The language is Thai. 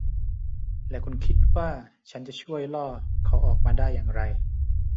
และคุณคิดว่าฉันจะช่วยล่อเขาออกมาได้อย่างไร